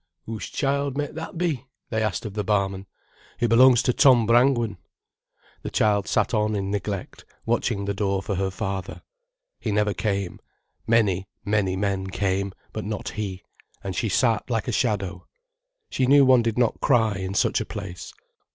"Whose child met that be?" they asked of the barman. "It belongs to Tom Brangwen." The child sat on in neglect, watching the door for her father. He never came; many, many men came, but not he, and she sat like a shadow. She knew one did not cry in such a place.